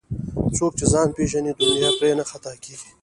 څوک چې ځان پیژني دنیا پرې نه خطا کېږي